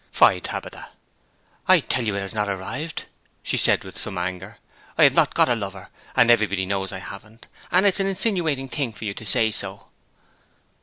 'Fie, Tabitha!' 'I tell you it has not arrived!' she said, with some anger. 'I have not got a lover, and everybody knows I haven't, and it's an insinuating thing for you to say so!'